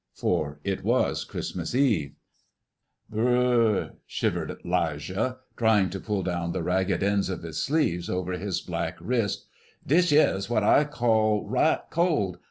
for it was Christmas Eve. "B r r r r," shivered 'Lijah, trying to pull down the ragged ends of his sleeves over his black wrist; "dis yere's what I call right cold.